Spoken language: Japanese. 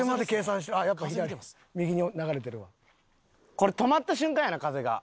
これ止まった瞬間やな風が。